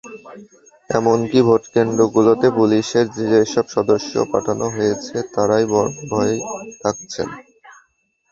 এমনকি ভোটকেন্দ্রগুলোতে পুলিশের যেসব সদস্য পাঠানো হয়েছে, তাঁরাই বরং ভয়ে থেকেছেন।